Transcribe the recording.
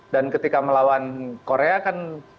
dan ketika melawan korea kan